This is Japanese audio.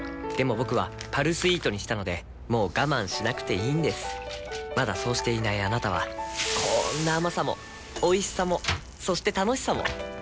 僕は「パルスイート」にしたのでもう我慢しなくていいんですまだそうしていないあなたはこんな甘さもおいしさもそして楽しさもあちっ。